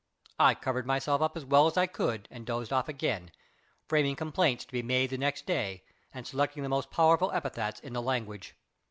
I covered myself up as well as I could and dozed off again, framing complaints to be made the next day, and selecting the most powerful epithets in the language.